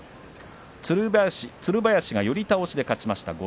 つる林が寄り倒しで勝ちました。